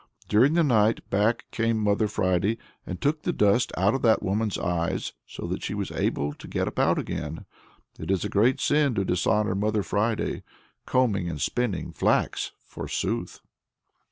During the night, back came Mother Friday and took the dust out of that woman's eyes, so that she was able to get about again. It's a great sin to dishonor Mother Friday combing and spinning flax, forsooth!